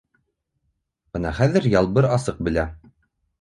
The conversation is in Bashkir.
Быны хәҙер Ялбыр асыҡ белә.